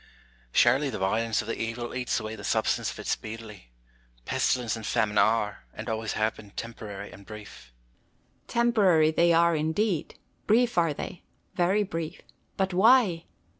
Surely the violence of the evil eats away the substance of it speedily. Pestilence and famine are, and always have been, temporary and brief. Boidter. Temporary they are, indeed : brief are they, very brief. But why